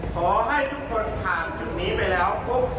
ขอให้ทุกคนผ่านจุดนี้ไปแล้วปุ๊บ